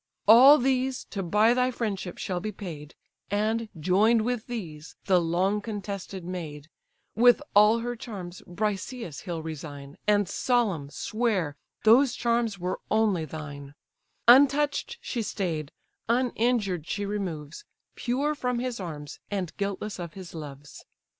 All these, to buy thy friendship shall be paid, And, join'd with these, the long contested maid; With all her charms, Briseïs he'll resign, And solemn swear those charms were only thine; Untouch'd she stay'd, uninjured she removes, Pure from his arms, and guiltless of his loves.